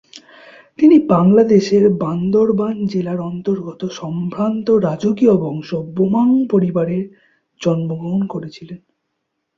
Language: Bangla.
তিনি বাংলাদেশের বান্দরবান জেলার অন্তর্গত সম্ভ্রান্ত রাজকীয় বংশ বোমাং পরিবারে জন্মগ্রহণ করেছিলেন।